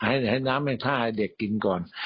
ให้น้ำให้ท่าให้เด็กกินก่อน